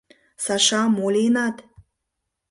— Саша, мо лийынат?